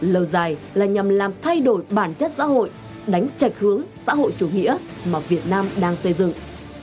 lâu dài là nhằm làm thay đổi bản chất xã hội đánh chạch hướng xã hội chủ nghĩa mà việt nam đang xây dựng